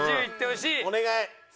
お願い！